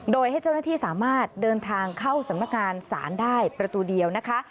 โดยให้เจ้าหน้าที่สามารถเดินทางเข้าสำนักงานศาลได้ประตูเดียวนะคะ